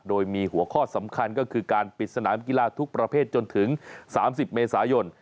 โดยมีหัวข้อสำคัญก็คือการปิดสนามกีฬาทุกประเภทจนถึง๓๐เมษายน